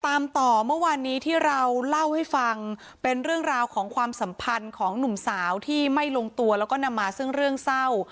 ตามต่อเมื่อวานนี้ที่เราเล่าให้ฟังเป็นเรื่องราวของความสัมพันธ์ของหนุ่มสาวที่ไม่ลงตัวแล้วก็นำมาซึ่งเรื่องเศร้า